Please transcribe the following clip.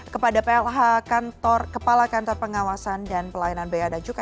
kepada plh kepala kantor pengawasan dan pelayanan bayi adan juka